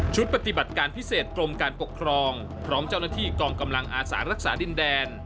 ปฏิบัติการพิเศษกรมการปกครองพร้อมเจ้าหน้าที่กองกำลังอาสารักษาดินแดน